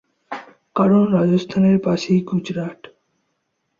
কারণ রাজস্থানের পাশেই গুজরাট।